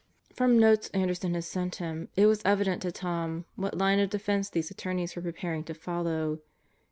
From notes Anderson had sent him, it was evident to Tom what line of defense these attorneys were preparing to follow.